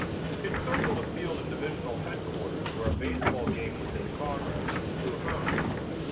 It circled a field in divisional headquarters where a baseball game was in progress and flew home.